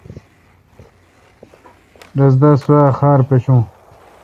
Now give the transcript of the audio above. رس تہ سوا خار پیشو ۔